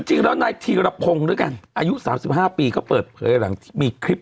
จริงแล้วนายธีรพงศ์ด้วยกันอายุ๓๕ปีก็เปิดเผยหลังที่มีคลิป